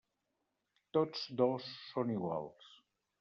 Tots dos són iguals.